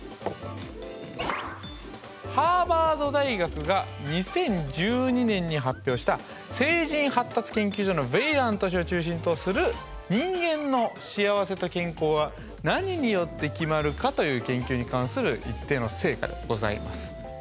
ハーバード大学が２０１２年に発表した成人発達研究所のヴェイラント氏を中心とする「人間の幸せと健康は何によって決まるか？」という研究に関する一定の成果でございます。